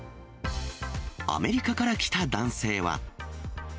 アメリカから来た男性は。